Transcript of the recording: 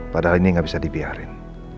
padahal ini nggak bisa dibiarin